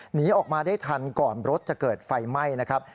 หนีออกมาได้ทันก่อนรถจะเกิดไฟไหม้นะครับ